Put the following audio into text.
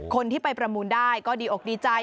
คนที่ไปประมูลได้ก็ดีอกดีใจ